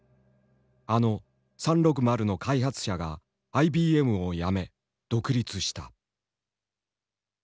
あの「３６０」の開発者がＩＢＭを辞め独立した。